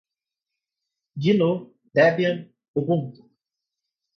gnu, debian, ubuntu